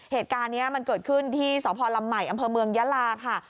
เหตุการณ์นี้มันเกิดขึ้นที่สพลำใหม่อำเภอเมืองยาลาค่ะ